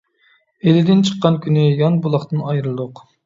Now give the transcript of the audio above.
ئىلىدىن چىققان كۈنى، يان بۇلاقتىن ئايرىلدۇق.